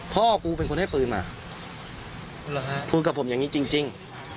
พ่อกลุงเห็นกับผมซึ่งคุยกับผมจริง